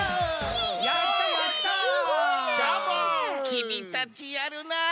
きみたちやるなあ。